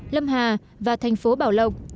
lâm hà và thành phố bảo lộc